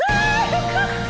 よかった！